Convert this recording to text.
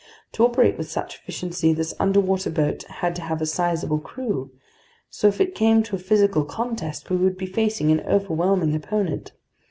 To operate with such efficiency, this underwater boat had to have a sizeable crew, so if it came to a physical contest, we would be facing an overwhelming opponent.